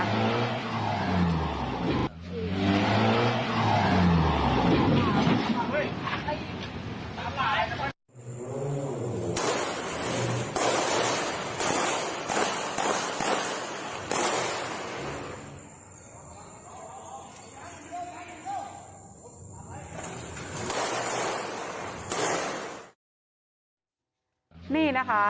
เฮ้ยตามหลายตามหลาย